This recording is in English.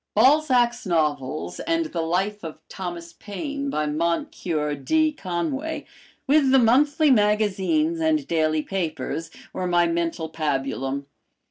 Balzac's novels, and the "Life of Thomas Paine" by Moncure D. Conway, with the monthly magazines and daily papers, were my mental pabulum.